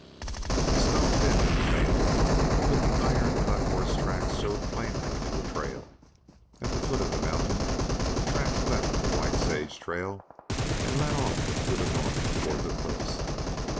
The snow thinned and failed, but the iron cut horsetracks showed plainly in the trail. At the foot of the mountain the tracks left the White Sage trail and led off to the north toward the cliffs.